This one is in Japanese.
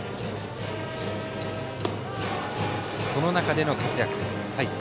その中での活躍。